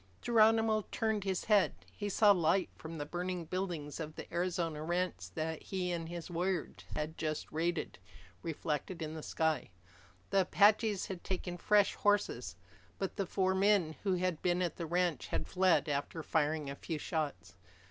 Geronimo turned his head. He saw light from the burning buildings of the Arizona ranch that he and his warriors had just raided, reflected in the sky. The Apaches had taken fresh horses. But the four men who had been at the ranch had fled after firing a few shots.